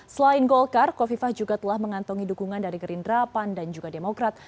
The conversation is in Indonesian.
selain golkar kofifah juga telah mengantongi dukungan dari gerindra pan dan juga demokrat